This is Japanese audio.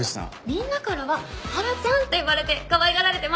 みんなからは「ハラちゃん」って呼ばれてかわいがられてます。